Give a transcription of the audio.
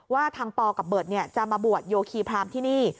ว่าทางปกับเบิร์ตจะมาบวชโยคีพรามที่นี่